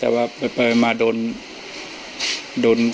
ถ้าใครอยากรู้ว่าลุงพลมีโปรแกรมทำอะไรที่ไหนยังไง